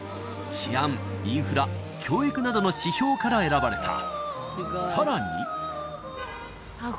治安インフラ教育などの指標から選ばれたさらにあっ